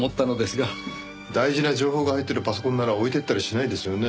大事な情報が入ってるパソコンなら置いていったりしないですよね。